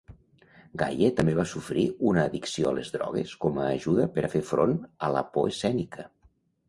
Gaye també va sofrir una addicció a les drogues com a ajuda per a fer front a la por escènica.